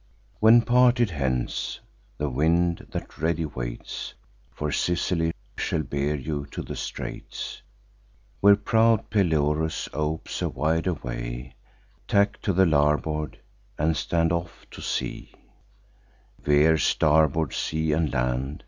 'When, parted hence, the wind, that ready waits For Sicily, shall bear you to the straits Where proud Pelorus opes a wider way, Tack to the larboard, and stand off to sea: Veer starboard sea and land.